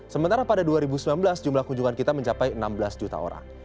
sementara pada dua ribu sembilan belas jumlah kunjungan kita mencapai enam belas juta orang